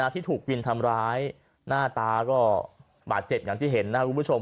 ที่ถูกวินทำร้ายหน้าตาก็บาดเจ็บอย่างที่เห็นนะครับคุณผู้ชม